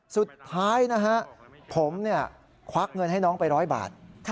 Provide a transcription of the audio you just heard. สุดท้ายผมควักเงินให้น้องไปร้อยบาท